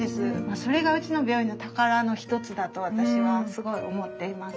それがうちの病院の宝の一つだと私はすごい思っています。